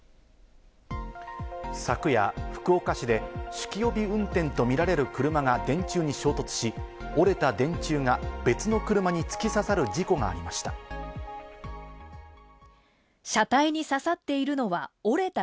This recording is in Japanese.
昨夜、福岡市で酒気帯び運転とみられる車が電柱に衝突し、折れた電柱が別の車に突き刺さる事故がありました。